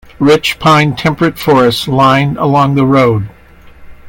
Rich pine temperate forests line along the road.